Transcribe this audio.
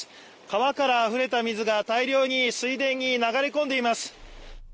川からあふれた水が大量に水田に流れ込んでいます。